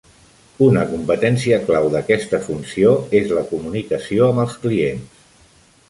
Una competència clau d'aquesta funció és la comunicació amb els clients.